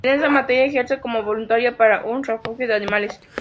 En esta materia ejerce como voluntaria para un refugio de animales.